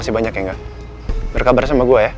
iya pak bos